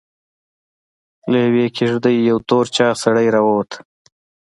له يوې کېږدۍ يو تور چاغ سړی راووت.